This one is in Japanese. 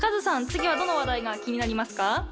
次はどの話題が気になりますか？